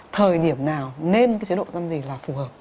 thời điểm nào nên cái chế độ ăn gì là phù hợp